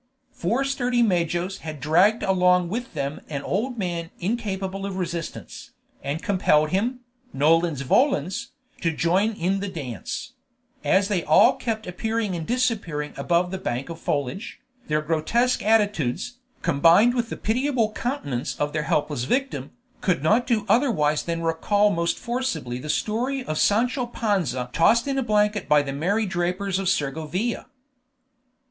Four sturdy majos had dragged along with them an old man incapable of resistance, and compelled him, nolens volens, to join in the dance; and as they all kept appearing and disappearing above the bank of foliage, their grotesque attitudes, combined with the pitiable countenance of their helpless victim, could not do otherwise than recall most forcibly the story of Sancho Panza tossed in a blanket by the merry drapers of Segovia.